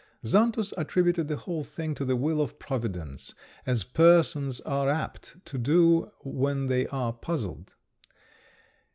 Xantus attributed the whole thing to the will of Providence, as persons are apt to do when they are puzzled.